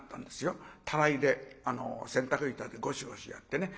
たらいで洗濯板でゴシゴシやってね。